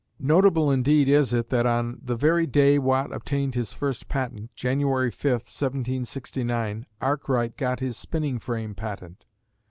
Notable indeed is it that on the very day Watt obtained his first patent, January 5th, 1769, Arkwright got his spinning frame patent.